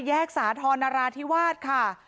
แยกสาธารณราธิวาสค่ะ